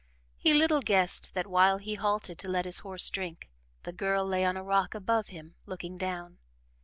He little guessed that while he halted to let his horse drink, the girl lay on a rock above him, looking down.